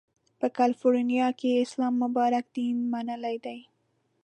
په کالیفورنیا کې یې اسلام مبارک دین منلی دی.